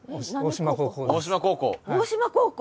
大島高校。